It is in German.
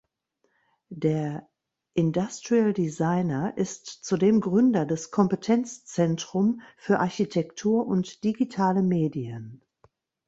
Der Industrial Designer ist zudem Gründer des Kompetenzzentrum für Architektur und digitale Medien.